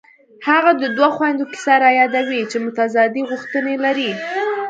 هغه د دوو خویندو کیسه رایادوي چې متضادې غوښتنې لري